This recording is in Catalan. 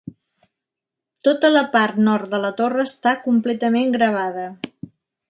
Tota la part nord de la torre està completament gravada.